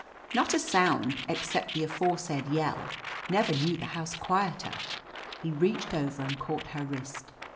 "Not a sound — except the aforesaid yell. Never knew the house quieter." He reached over and caught her wrist.